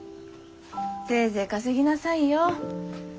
せいぜい稼ぎなさいよ。